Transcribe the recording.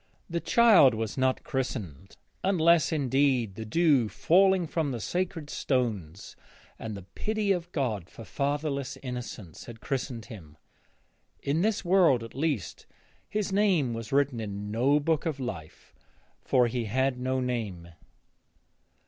The child was not christened, unless, indeed, the dew falling from the sacred stones and the pity of God for fatherless innocents had christened him. In this world, at least, his name was written in no book of life, for he had no name.